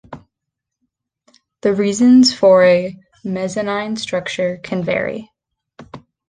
The reasons for a "mezzanine structure" can vary.